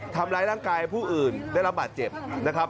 ทำร้ายร่างกายผู้อื่นได้รับบาดเจ็บนะครับ